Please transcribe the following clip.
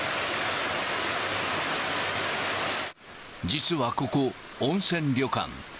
実はここ、温泉旅館。